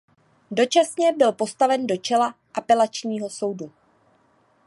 Dočasně byl postaven do čela apelačního soudu.